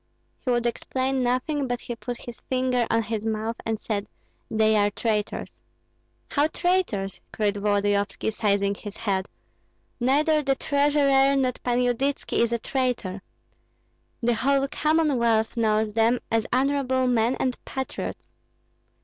"He would explain nothing, but he put his finger on his mouth and said, 'They are traitors!'" "How traitors?" cried Volodyovski, seizing his head. "Neither the treasurer nor Pan Yudytski is a traitor. The whole Commonwealth knows them as honorable men and patriots."